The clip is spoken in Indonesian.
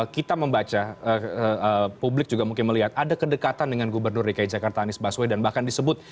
kita membaca publik juga mungkin melihat ada kedekatan dengan gubernur dki jakarta anies baswedan bahkan disebut